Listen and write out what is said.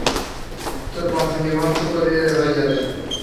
তোর বংশ নির্বংশ হয়ে যাবে।